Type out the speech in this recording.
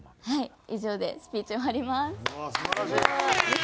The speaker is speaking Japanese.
はい。